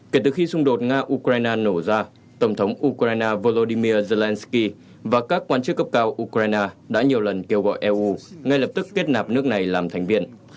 kể từ khi xung đột nga ukraine nổ ra tổng thống ukraine volodymyr zelensky và các quan chức cấp cao ukraine đã nhiều lần kêu gọi eu ngay lập tức kết nạp nước này làm thành viên